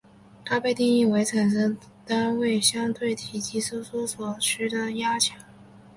它被定义为产生单位相对体积收缩所需的压强。